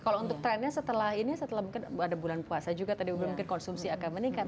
kalau untuk trennya setelah ini setelah mungkin ada bulan puasa juga tadi mungkin konsumsi akan meningkat